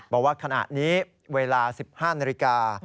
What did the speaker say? บอกว่าขณะนี้เวลา๑๕นาฬิกา